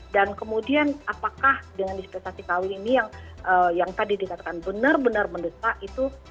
dan kemudian apakah dengan dispensasi kawin ini yang tadi dikatakan benar benar mendesak itu